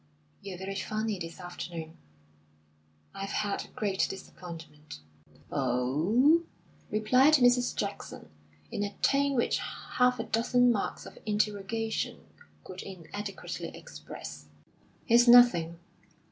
"You're very funny this afternoon." "I've had a great disappointment." "Oh!" replied Mrs. Jackson, in a tone which half a dozen marks of interrogation could inadequately express. "It's nothing.